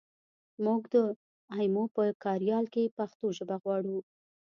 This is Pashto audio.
مونږ د ایمو په کاریال کې پښتو ژبه غواړو